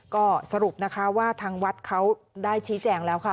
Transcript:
ก็สรุปนะคะว่าทางวัดเขาได้ชี้แจงแล้วค่ะ